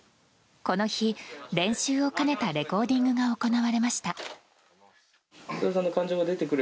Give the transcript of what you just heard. この日、練習を兼ねたレコーディングが行われました。